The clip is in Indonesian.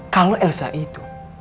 kalau elsa itu